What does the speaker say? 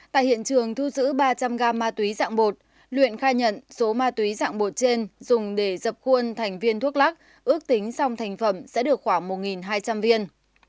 tại hiện trường thu giữ ba trăm linh gam ma túy dạng bột luyện khai nhận số ma túy dạng bột trên dùng để dập khuôn thành viên thuốc lắc ước tính xong thành phẩm sẽ được khoảng một hai trăm linh viên